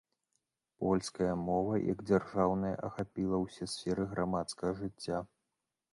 Польская мова, як дзяржаўная ахапіла ўсе сферы грамадскага жыцця.